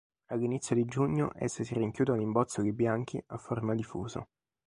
All'inizio di giugno, esse si rinchiudono in bozzoli bianchi a forma di fuso.